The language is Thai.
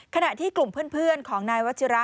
ขณะที่กลุ่มเพื่อนของนายวัชิระ